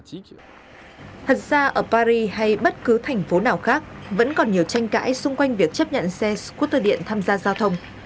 thật ra ở paris hay bất cứ thành phố nào khác vẫn còn nhiều tranh cãi xung quanh việc chấp nhận xe scooter điện tham gia giao thông